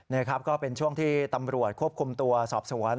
นี่ครับก็เป็นช่วงที่ตำรวจควบคุมตัวสอบสวน